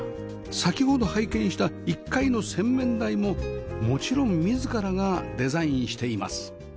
先ほど拝見した１階の洗面台ももちろん自らがデザインしています